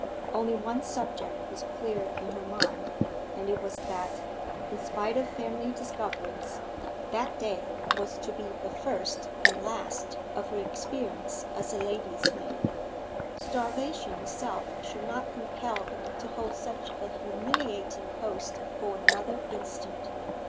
Only one subject was clear in her mind, and it was that, in spite of family discoveries, that day was to be the first and last of her experience as a lady's maid. Starvation itself should not compel her to hold such a humiliating post for another instant.